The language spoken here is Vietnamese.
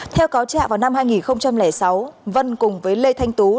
theo cáo trả vào năm hai nghìn sáu vân cùng với lê thanh tú là chồng của trần thị thanh vân